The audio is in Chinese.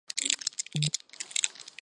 不停从她脸颊滑落